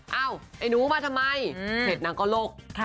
เอ้าไอหนูมาทำไมสติแบบนั้งก็หลบ